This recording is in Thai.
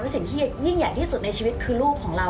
สิ่งที่ยิ่งใหญ่ที่สุดในชีวิตคือลูกของเรา